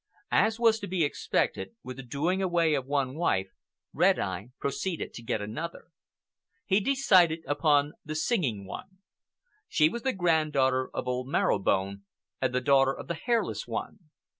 As was to be expected, with the doing away of one wife Red Eye proceeded to get another. He decided upon the Singing One. She was the granddaughter of old Marrow Bone, and the daughter of the Hairless One.